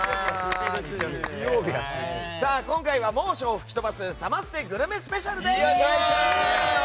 今回は猛暑を吹き飛ばすサマステグルメスペシャルです。